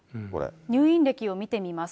入院歴を見てみます。